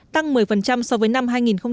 tăng một mươi so với năm hai nghìn một mươi